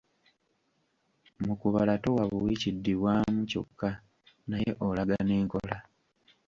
Mu kubala towa buwi Kiddibwamu kyokka, naye olaga n'enkola.